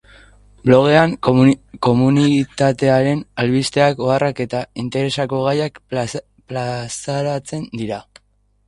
Blogean komunitatearen albisteak, oharrak eta intereseko gaiak plazaratzen dira.